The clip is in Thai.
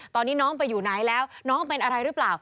ตอนนี้น้องไปอยู่ไหนแล้วน้องเป็นอะไรหรือเปล่า